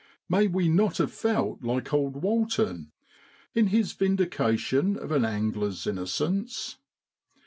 May we not have felt like old Walton in his vindication of an angler's innocence